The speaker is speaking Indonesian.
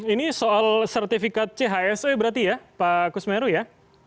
ini soal sertifikat chse berarti ya pak kusmeru ya